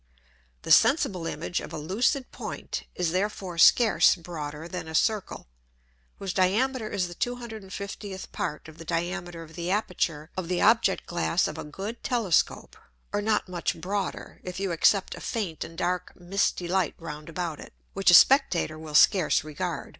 The sensible Image of a lucid Point is therefore scarce broader than a Circle, whose Diameter is the 250th Part of the Diameter of the Aperture of the Object glass of a good Telescope, or not much broader, if you except a faint and dark misty Light round about it, which a Spectator will scarce regard.